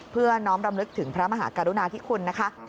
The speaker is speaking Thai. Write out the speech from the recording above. เพื่อน้อมรำลึกถึงพระมหากรุณาธิคุณนะคะ